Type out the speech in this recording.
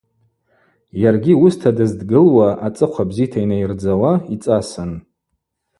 Йаргьи уыста дыздгылуа ацӏыхъва бзита йнайырдзауа йцӏасын.